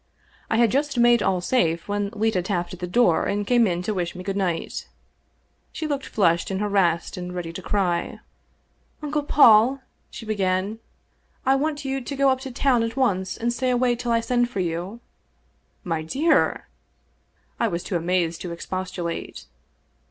I had just made all safe when Leta tapped at the door and came in to wish me good night. She looked flushed and harassed and ready to cry. 272 The Great Valdez Sapphire " Uncle Paul/' she began, " I want you to go up to town at once, and stay away till I send for you." " My dear — 1 " I was too amazed to expostulate.